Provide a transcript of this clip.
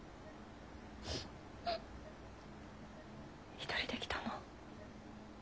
一人で来たの？